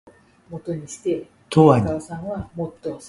永遠に